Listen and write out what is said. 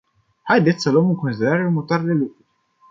Haideți să luăm în considerare următoarele lucruri.